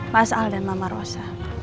mas al dan mama rosa